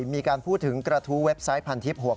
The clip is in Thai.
มีการพูดถึงกระทู้เว็บไซต์พันทิพย์